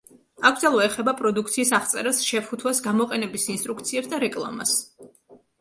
აკრძალვა ეხება პროდუქციის აღწერას, შეფუთვას, გამოყენების ინსტრუქციებს და რეკლამას.